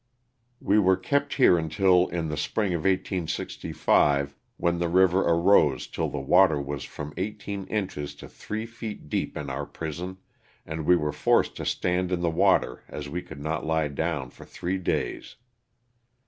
We were kept here until in the spring of 1865, when the river arose till the water was from eighteen inches to three feet deep in our prison, and we were forced to stand in the water as we could not lie down for three days.